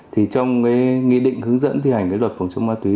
thì trong nghị định hướng dẫn thi hành luật phòng chống ma túy